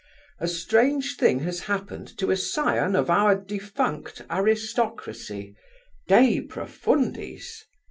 A strange thing has happened to a scion of our defunct aristocracy. (_De profundis!